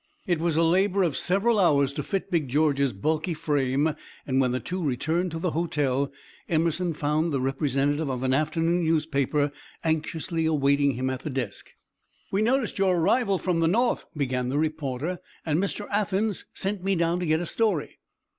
It was a labor of several hours to fit Big George's bulky frame, and when the two returned to the hotel Emerson found the representative of an afternoon newspaper anxiously awaiting him at the desk. "We noticed your arrival from the North," began the reporter, "and Mr. Athens sent me down to get a story."